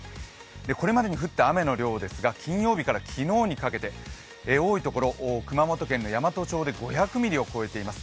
これまでに降った雨の量ですが金曜日から昨日にかけて多いところ、熊本県山都町で５００ミリを超えています。